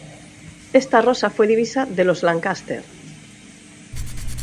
Esta rosa fue divisa de los Lancaster.